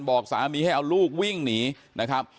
บอกสามีให้เอาลูกวิ่งหนีนะครับ